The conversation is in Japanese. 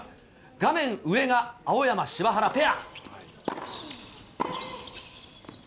画面上が青山・柴原ペア。